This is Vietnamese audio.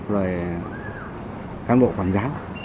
rồi cán bộ quản giáo